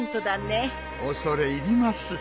恐れ入ります。